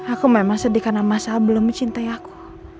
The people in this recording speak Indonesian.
aku memang sedih karena masa belum mencintai aku